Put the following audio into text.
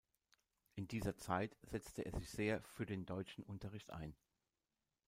In dieser Zeit setzte er sich sehr für den deutschen Unterricht ein.